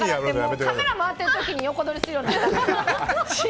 カメラ回ってる時に横取りするようになった。